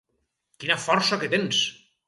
Quina força que tens!